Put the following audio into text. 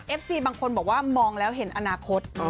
ซีบางคนบอกว่ามองแล้วเห็นอนาคต